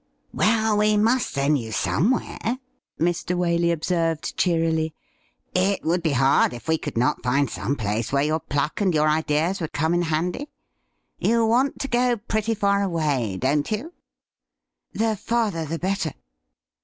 ' Well, we must send you somewhere,' Mr. Waley ob 174 THE RIDDLE RING served cheerily. ' It would be hard if we could not find some place where your pluck and your ideas would come in handy. You want to go pretty far away, don't you .!"' The farther the better.'